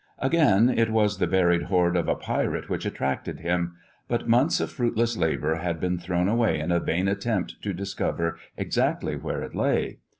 Again, it was the buried hoard of a pirate which attracted him; but months of fruitless labor had been thrown away in a vain attempt to discover exactly where it lay.